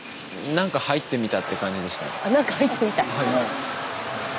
何か入ってみた。